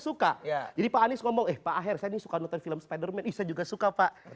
suka jadi pak anies ngomong eh pak akhir saya ini suka nonton film spiderman saya juga suka pak